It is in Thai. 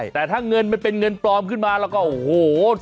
แต่ถ้าเงินมันเป็นเงินปลอมขึ้นมาแล้วก็โอ้โห